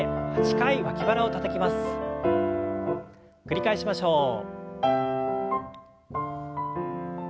繰り返しましょう。